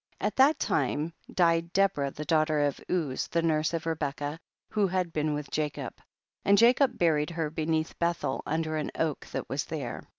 4. At that time died Deborah the daughter of Uz, the nurse of Re becca, who had been with Jacob ; and Jacob buried her beneath Bethel under an oak that was there.